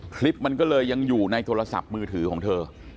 คลิปมันก็เลยยังอยู่ในโทรศัพท์มือถือของเธอ